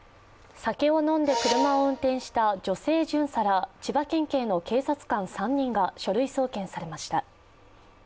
酒を飲んで車を運転した女性巡査ら、千葉県警の警察官３人が書類送検されました。